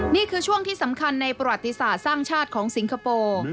นี่คือช่วงที่สำคัญในประวัติศาสตร์สร้างชาติของสิงคโปร์